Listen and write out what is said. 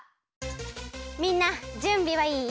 みんなじゅんびはいい？